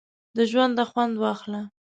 د ژونده خوند واخله!